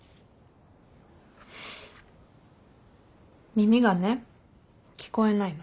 耳がね聞こえないの。